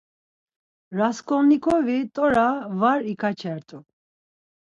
Rasǩolnikovi t̆ora var iǩaçert̆u.